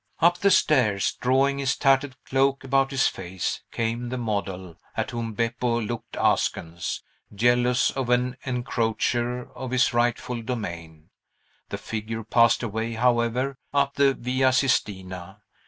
Up the stairs, drawing his tattered cloak about his face, came the model, at whom Beppo looked askance, jealous of an encroacher on his rightful domain. The figure passed away, however, up the Via Sistina.